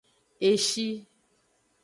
Eshi.